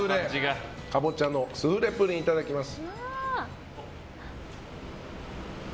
かぼちゃのスフレプリンいただきます。